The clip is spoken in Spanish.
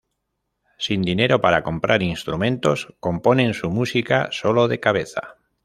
Sin dinero para comprar instrumentos, componen su música solo de cabeza.